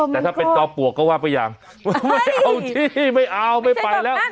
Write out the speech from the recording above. แต่ถ้าเป็นจอมปลวกก็ว่าไปอย่างไม่เอาที่ไม่เอาไม่ไปแล้ว